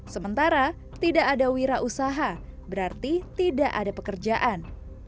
sementara tidak ada wira usaha berarti tidak ada pekerjaan